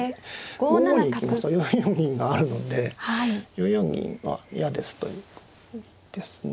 ５五に行きますと４四銀があるので４四銀は嫌ですということですね。